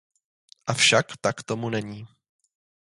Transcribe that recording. Avšak tak tomu není.